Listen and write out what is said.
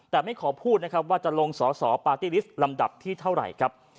แต่ไม่ขอพูดนะครับว่าจะลงสอสอปาร์ตี้ลิสต์ลำดับที่เท่าไหร่ครับ